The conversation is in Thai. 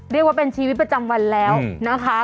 เรียกว่าเป็นชีวิตประจำวันแล้วนะคะ